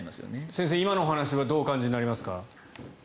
先生、今のお話はどうお感じになりますか？